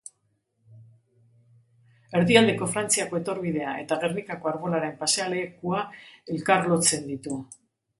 Erdialdeko Frantziako etorbidea eta Gernikako Arbolaren pasealekua elkarlotzen ditu.